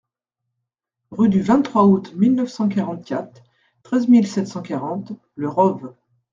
Rue du vingt-trois Aout mille neuf cent quarante-quatre, treize mille sept cent quarante Le Rove